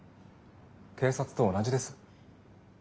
警察と同じです。